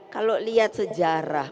kalau lihat sejarah